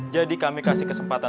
jadi kami kasih kesempatan